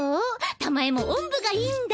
たまえもおんぶがいいんだ。